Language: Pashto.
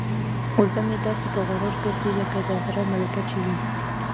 وزه مې داسې په غرور ګرځي لکه د غره ملکه چې وي.